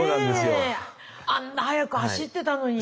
あんな速く走ってたのに。